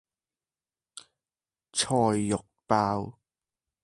菜肉包